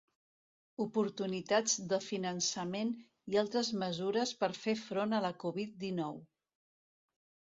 Oportunitats de finançament i altres mesures per fer front a la Covid dinou.